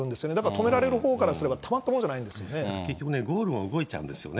だから止められる方からしたらたまったもんじゃないんですよ結局ね、ゴールも動いちゃうんですよね。